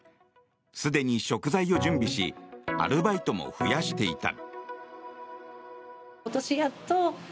すでに食材を準備しアルバイトも増やしていた。